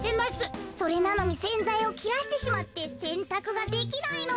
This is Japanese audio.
それなのにせんざいをきらしてしまってせんたくができないの。